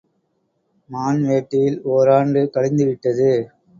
மான் வேட்டையில் ஓர் ஆண்டு கழிந்துவிட்டது.